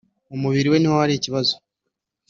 mu mubiri we niho hari ikibazo